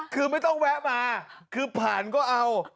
คือไม่ต้องแวะมาคือผ่านก็เอา